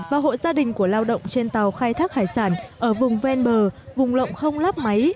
và hội gia đình của lao động trên tàu khai thác hải sản ở vùng ven bờ vùng lộng không lắp máy